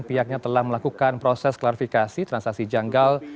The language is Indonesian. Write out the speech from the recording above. pihaknya telah melakukan proses klarifikasi transaksi janggal